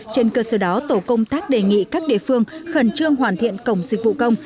trên cơ sở đó tổ công tác đề nghị các địa phương khẩn trương hoàn thiện cổng dịch vụ công